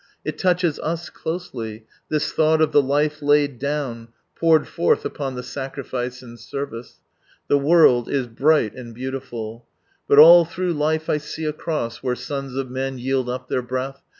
It touches us closely, this thought of the life laid down, poured forth upon the sacrifice and service. The world is bright and beautiful — From Sunrise Land "Bat nil through life, I see a Crojs Where sons of men yield up [heir breath.